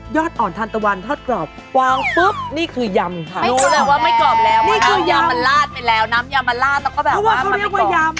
เพราะว่าเขาเรียกว่ายำ